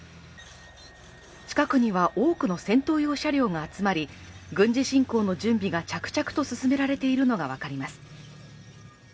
近くには多くの戦闘用車両が集まり軍事侵攻の準備が着々と進められているのが分かります。